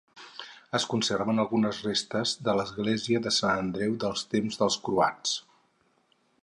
Es conserven algunes restes de l'església de Sant Andreu del temps dels croats.